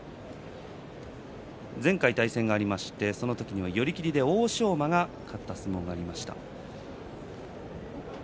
前回、対戦がありましてその時は寄り切りで欧勝馬が勝った相撲がありました。